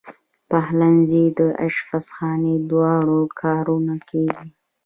پخلنځی او آشپزخانه دواړه کارول کېږي.